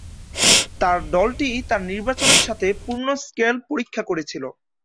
তার দলটি তাদের নির্বাচনের সাথে পূর্ণ-স্কেল পরীক্ষা করেছিল।